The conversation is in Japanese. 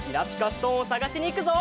ストーンをさがしにいくぞ！